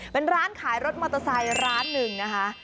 เป็นร้านขายรถมอเตอร์ไซน์๑นะคะ